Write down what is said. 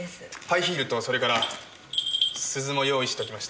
ハイヒールとそれから鈴も用意しときました。